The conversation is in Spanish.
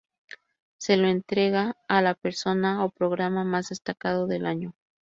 Se lo entrega a la persona o programa más destacado del año.